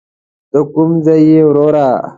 ته کوم ځای یې وروره.